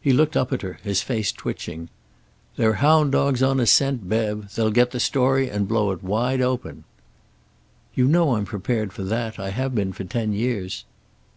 He looked up at her, his face twitching. "They're hound dogs on a scent, Bev. They'll get the story, and blow it wide open." "You know I'm prepared for that. I have been for ten years."